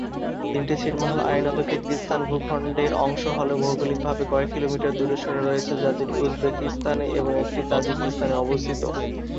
তিনটি ছিটমহল আইনত কিরগিজস্তান ভূখণ্ডের অংশ হলেও ভৌগোলিকভাবে কয়েক কিলোমিটার দূরে সরে রয়েছে যার দুটি উজবেকিস্তানে এবং একটি তাজিকিস্তানে অবস্থিত।